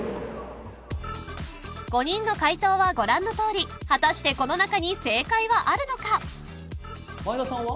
５人の解答はご覧のとおり果たしてこの中に正解はあるのか前田さんは？